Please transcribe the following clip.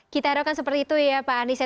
kita harapkan seperti itu ya pak anies ya